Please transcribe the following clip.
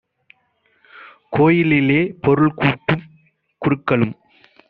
கோயிலிலே பொருள் கூட்டும் குருக்களும்